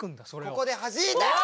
ここではじいて！